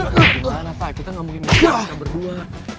gimana pak kita gak mungkin bisa lihat mereka berdua